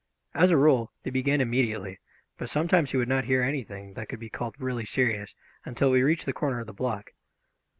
As a rule, they began immediately, but sometimes he would not hear anything that could be called really serious until we reached the corner of the block.